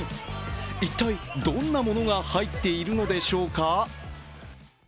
一体、どんなものが入っているのでしょうか。